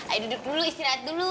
ayo duduk dulu istirahat dulu